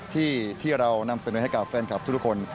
ทำเสนอให้กราบแฟนคลับทุกคน